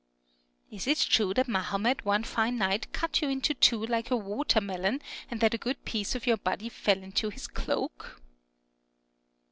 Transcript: Is it true that Mahomet one fine night cut you in two like a water melon, and that a good piece of your body fell into his cloak